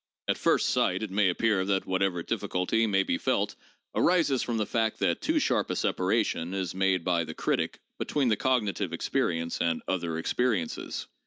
At first sight it may appear that whatever difficulty may be felt arises from the fact that too sharp a separation is made by the critic between the cognitive experience and 'other experiences.'